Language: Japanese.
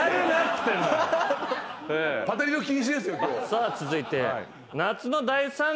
さあ続いて。